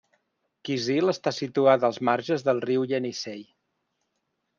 Kizil està situada als marges del riu Ienissei.